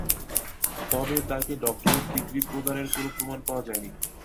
তবে তাকে doctorate degree প্রদানের কোন প্রমাণ পাওয়া যায়নি।